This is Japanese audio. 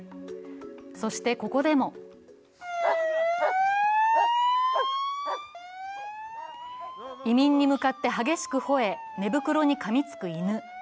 そして、ここでも移民に向かって激しくほえ、寝袋にかみつく犬。